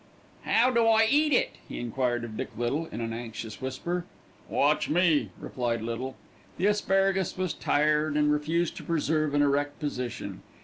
"How do I eat it?" he enquired of Dick Little in an anxious whisper. "Watch me," replied Little. The asparagus was tired and refused to preserve an erect position.